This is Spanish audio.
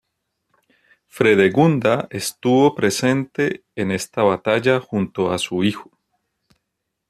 Fredegunda estuvo presente en esta batalla junto a su hijo.